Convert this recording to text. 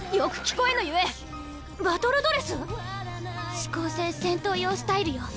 四煌星戦闘用スタイルよ。